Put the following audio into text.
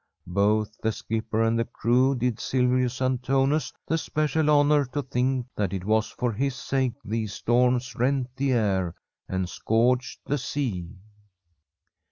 Both the skipper and the crew did Silvius Antonius the special honour to think that it was for his sake these storms rent the air and scourged the sea.